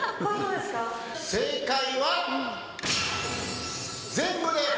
正解は、全部です！